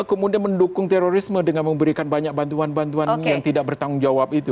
kemudian mendukung terorisme dengan memberikan banyak bantuan bantuan yang tidak bertanggung jawab itu